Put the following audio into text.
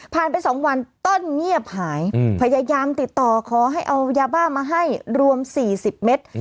ไป๒วันต้นเงียบหายพยายามติดต่อขอให้เอายาบ้ามาให้รวม๔๐เมตร